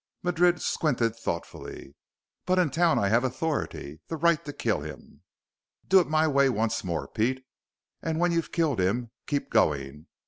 Madrid squinted thoughtfully. "But in town I have authority, the right to kill him." "Do it my way once more, Pete. And when you've killed him, keep going.